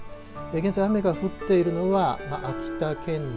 現在雨が降っているのは秋田県内